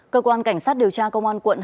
cơ quan cảnh sát điều tra công an quận hai